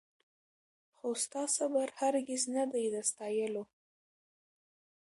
خو ستا صبر هرګز نه دی د ستایلو